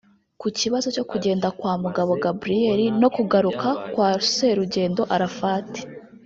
ku kibazo cyo kugenda kwa Mugabo Gabriel no kugaruka kwa Serugendo Arafat